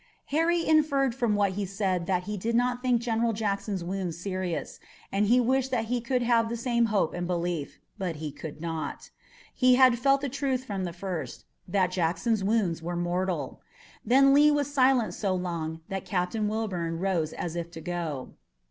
Harry inferred from what he said that he did not think General Jackson's wounds serious, and he wished that he could have the same hope and belief, but he could not. He had felt the truth from the first, that Jackson's wounds were mortal. Then Lee was silent so long that Captain Wilbourn rose as if to go.